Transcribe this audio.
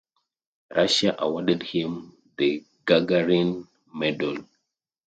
Russia awarded him the Gagarin medal.